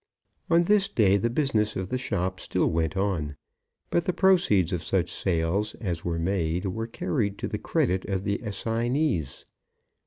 On this day the business of the shop still went on, but the proceeds of such sales as were made were carried to the credit of the assignees.